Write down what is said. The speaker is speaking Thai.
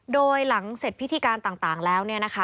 โดยหลังเสร็จพิธีการต่างแล้ว